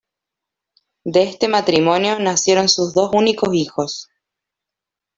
De este matrimonio nacieron sus dos únicos hijos.